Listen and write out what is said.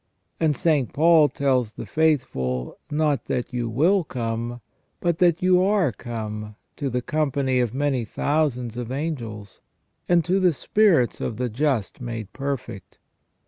And St. Paul tells the faithful, not that you will come, but that " you are come ... to the company of many thousands of angels ... and to the spirits of the just made perfect